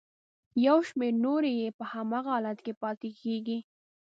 یو شمېر نورې یې په هماغه حالت کې پاتې کیږي.